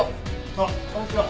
あっこんにちは。